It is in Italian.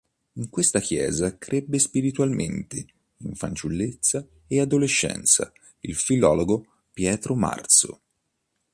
In questa chiesa crebbe spiritualmente in fanciullezza e adolescenza il filologo Pietro Marso.